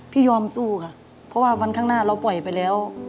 ยอมสู้ค่ะเพราะว่าวันข้างหน้าเราปล่อยไปแล้ว